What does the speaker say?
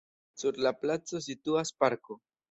Sur la placo situas parko.